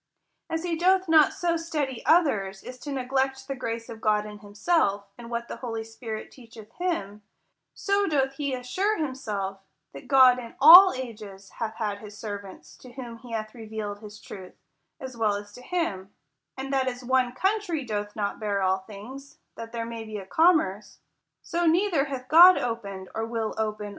As he doth not so study others as to neglect the grace of God in himself, and what the Holy Spirit teacheth him ; so doth he assure himself, that God in all ages hath had his servants, to whom he hath revealed his truth, as well as to him : and that as one country doth not bear all things, that there may be a commerce ; so neither hath God opened, or will open. THE COUNTRY PARSON.